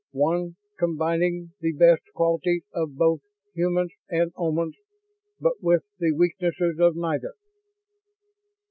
One combining the best qualities of both humans and Omans, but with the weaknesses of neither."